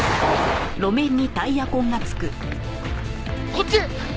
こっち！